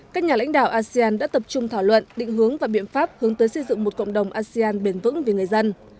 các nhà lãnh đạo asean đã tập trung thảo luận định hướng và biện pháp hướng tới xây dựng một cộng đồng asean bền vững vì người dân